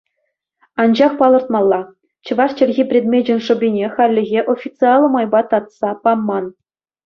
Анчах палӑртмалла: чӑваш чӗлхи предмечӗн шӑпине хальлӗхе официаллӑ майпа татса паман.